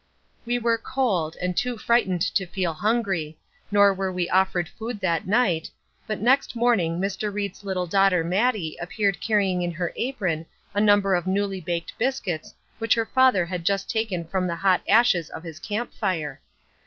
We were cold, and too frightened to feel hungry, nor were we offered food that night, but next morning Mr. Reed's little daughter Mattie appeared carrying in her apron a number of newly baked biscuits which her father had just taken from the hot ashes of his camp fire.